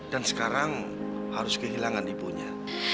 dan sekarang harus kehilangan ibunya